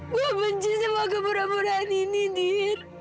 gue benci semua keburuan buruan ini dir